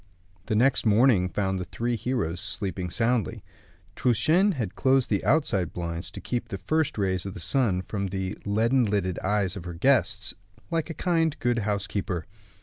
The next morning found the three heroes sleeping soundly. Truchen had closed the outside blinds to keep the first rays of the sun from the leaden lidded eyes of her guests, like a kind, good housekeeper.